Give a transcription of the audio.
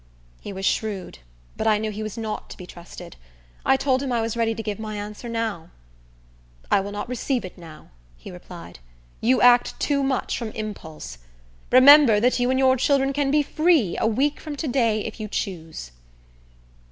He was shrewd; but I knew he was not to be trusted. I told him I was ready to give my answer now. "I will not receive it now," he replied. "You act too much from impulse. Remember that you and your children can be free a week from to day if you choose."